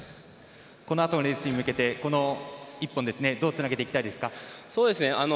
このあとのレースに向けてこの一本、どうつなげていきたいですか？